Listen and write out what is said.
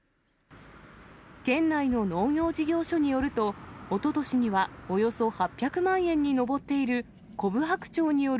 県内の農業事業所によると、おととしにはおよそ８００万円に上っているコブハクチョウによる